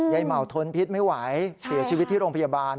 เหมาทนพิษไม่ไหวเสียชีวิตที่โรงพยาบาล